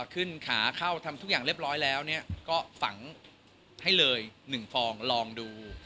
ขึ้นขาเข้าทำทุกอย่างเรียบร้อยแล้วก็ฝังให้เลย๑ฟองลองดู